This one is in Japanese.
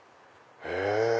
へぇ！